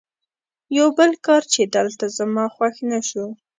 یو بل کار چې دلته زما خوښ نه شو.